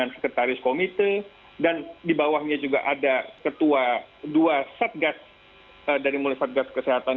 sekretaris komite dan di bawahnya juga ada ketua dua satgas dari mulai satgas kesehatan